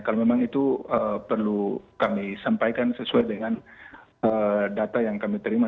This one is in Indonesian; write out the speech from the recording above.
kalau memang itu perlu kami sampaikan sesuai dengan data yang kami terima